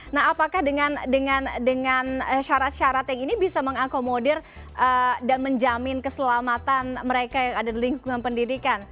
nah apakah dengan syarat syarat yang ini bisa mengakomodir dan menjamin keselamatan mereka yang ada di lingkungan pendidikan